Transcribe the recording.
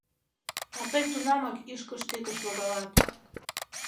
А тый тунамак ӱшкыж тӱкыш логалат!